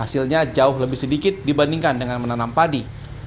jadi kolam ikan mujair hasilnya jauh lebih sedikit dibandingkan dengan menanam padi